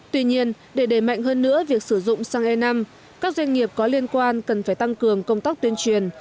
tuy nhiên để đẩy mạnh hơn nữa việc sử dụng xăng e năm các doanh nghiệp có liên quan cần phải tăng cường công tác tuyên truyền